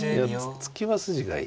突きは筋がいい。